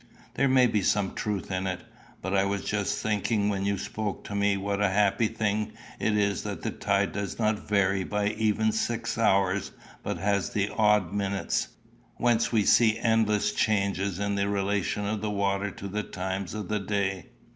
"There may be some truth in it. But I was just thinking when you spoke to me what a happy thing it is that the tide does not vary by an even six hours, but has the odd minutes; whence we see endless changes in the relation of the water to the times of the day.